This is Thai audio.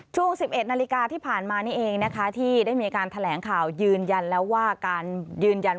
ช่วง๑๑นาฬิกาที่ผ่านมานี่เองนะคะที่ได้มีการแถลงข่าวยืนยันแล้วว่าการยืนยัน